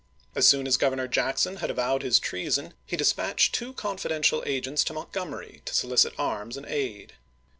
As soon as Governor Jackson had avowed his treason, he dispatched two con fidential agents to Montgomery to solicit arms and aid.